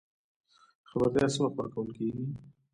خبرتیا څه وخت ورکول کیږي؟